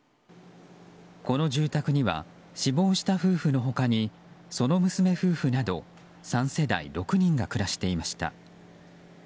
この住宅には死亡した夫婦の他にその娘夫婦など３世代６人が暮らしていました。